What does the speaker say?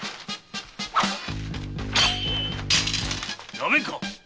やめんか！